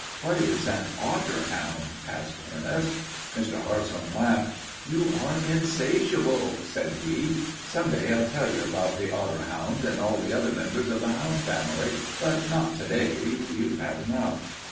"What is an otter hound?" asked Ernest. Mr. Hartshorn laughed. "You are insatiable," said he. "Some day I'll tell you about the otter hound and all the other members of the hound family, but not to day. You've had enough."